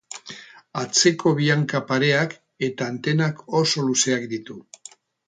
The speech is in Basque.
Atzeko bi hanka pareak eta antenak oso luzeak ditu.